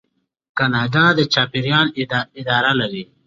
کاناډا د چاپیریال اداره لري.